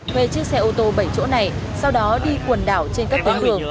thuê chiếc xe ô tô bảy chỗ này sau đó đi quần đảo trên các tuyến đường